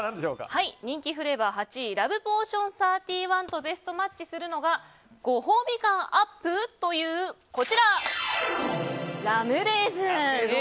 人気フレーバー８位ラブポーションサーティワンとベストマッチするのがごほうび感アップラムレーズン！